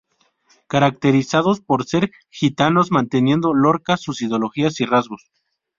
Caracterizados por ser gitanos, manteniendo Lorca sus ideologías y rasgos.